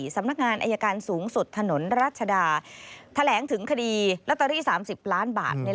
สำนักงานอายการสูงสุดถนนรัชดาแถลงถึงคดีลอตเตอรี่๓๐ล้านบาท